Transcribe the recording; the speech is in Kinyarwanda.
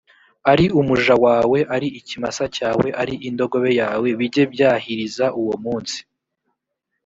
ari umuja wawe, ari ikimasa cyawe, ari indogobe yawe bijye byahiriza uwo munsi.